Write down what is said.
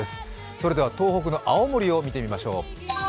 それでは東北の青森を見てみましょう。